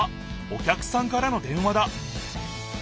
お客さんからの電話だ。